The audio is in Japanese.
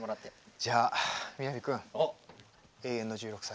じゃあ雅君永遠の１６歳。